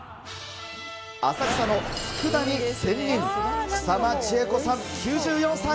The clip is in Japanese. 浅草のつくだ煮仙人、草間千恵子さん９４歳。